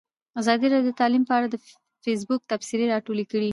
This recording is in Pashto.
ازادي راډیو د تعلیم په اړه د فیسبوک تبصرې راټولې کړي.